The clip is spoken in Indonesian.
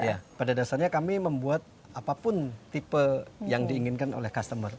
iya pada dasarnya kami membuat apapun tipe yang diinginkan oleh customer